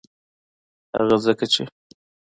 هغه ځکه چې